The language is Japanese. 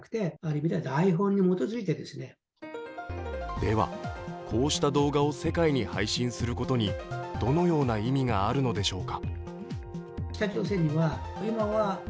では、こうした動画を世界に配信することにどのような意味があるのでしょうか。